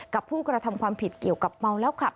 ผู้กระทำความผิดเกี่ยวกับเมาแล้วขับ